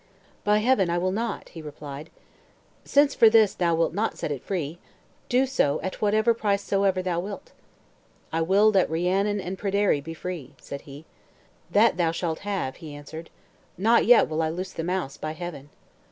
"By Heaven, I will not," he replied. "Since for this thou wilt not set it free, do so at what price soever thou wilt." "I will that Rhiannon and Pryderi be free," said he. "That thou shalt have," he answered. "Not yet will I loose the mouse, by Heaven."